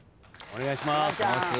お願いします。